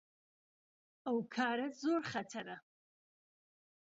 ئهو کاره زۆر خهتەره